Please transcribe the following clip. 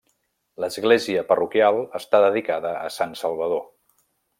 L'església parroquial està dedicada a Sant Salvador.